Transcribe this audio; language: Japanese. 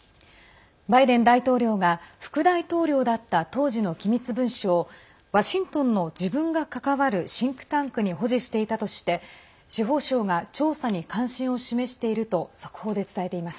バイデン大統領が副大統領だった当事の機密文書をワシントンの自分が関わるシンクタンクに保持していたとして司法省が調査に関心を示していると速報で伝えています。